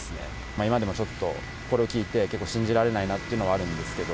今でもちょっとこれを聞いて、結構信じられないなというのはあるんですけど。